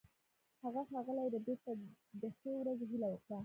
هغه ښاغلي ربیټ ته د ښې ورځې هیله وکړه